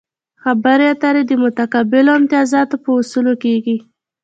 خبرې اترې د متقابلو امتیازاتو په اصولو کیږي